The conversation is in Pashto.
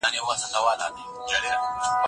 ټولنیز حالت د اقتصادي شرایطو اغېز دی.